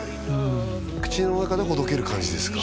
口の中でほどける感じですか？